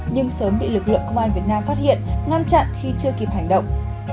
nhưng sớm bị lực lượng công an việt nam phát hiện ngăn chặn khi chưa kịp hành động